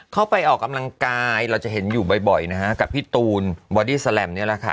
ไปออกกำลังกายเราจะเห็นอยู่บ่อยนะฮะกับพี่ตูนบอดี้แลมนี่แหละค่ะ